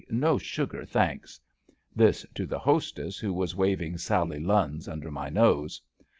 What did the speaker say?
"No sugar, thanks." This to the hostess, who was waving Sally Lunns under my nose.